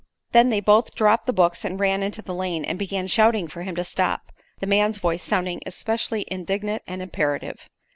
Then they both dropped the books and ran into the lane and began shouting for him to stop the man's voice sounding especially indignant and imperative.